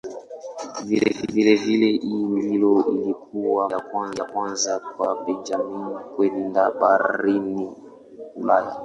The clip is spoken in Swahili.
Vilevile hii ndiyo ilikuwa mara ya kwanza kwa Benjamin kwenda barani Ulaya.